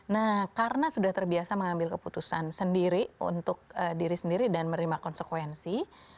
nah karena sudah terbiasa mengambil keputusan sendiri untuk diri sendiri dan menerima konsekuensi